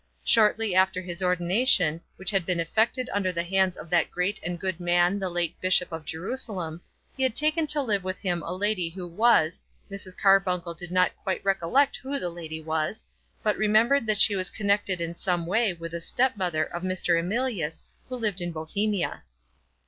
Shortly after his ordination, which had been effected under the hands of that great and good man the late Bishop of Jerusalem, he had taken to live with him a lady who was Mrs. Carbuncle did not quite recollect who the lady was, but remembered that she was connected in some way with a step mother of Mr. Emilius who lived in Bohemia.